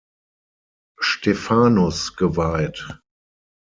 Stephanus geweiht.